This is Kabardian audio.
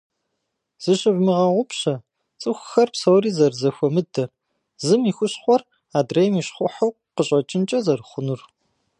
Зыщывмыгъэгъупщэ цӏыхухэр псори зэрызэхуэмыдэр, зым и хущхъуэр адрейм и щхъухьу къыщӏэкӏынкӏэ зэрыхъунур.